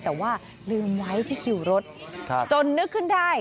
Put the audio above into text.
แต่ว่าลืมไว้ที่คิวรถจนนึกขึ้นได้